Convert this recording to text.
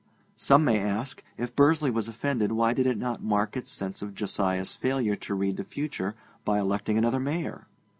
Some may ask: If Bursley was offended, why did it not mark its sense of Josiah's failure to read the future by electing another Mayor?